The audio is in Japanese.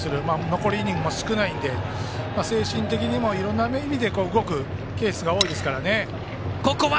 残りイニングも少ないので精神的にもいろんな意味で動くケースが多いですから。